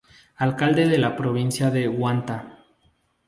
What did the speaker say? Alcalde de la Provincia de Huanta.